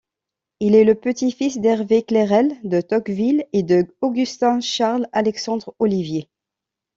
Il est le petit-fils d'Hervé Clérel de Tocqueville et de Augustin-Charles-Alexandre Ollivier.